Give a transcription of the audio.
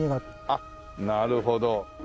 あっなるほど。